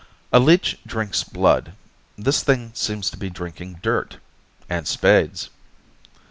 "A leech drinks blood. This thing seems to be drinking dirt. And spades."